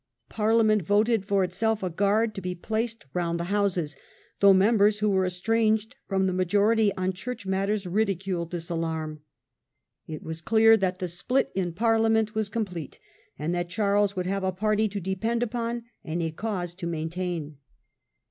Parliament voted for itself a guard to be placed round the Houses, though members who w^ere estranged from the majority on church matters ridiculed this alarm. It was clear that the split in Parliament was complete, and that Charles would have a party to depend upon and a cause to maintain.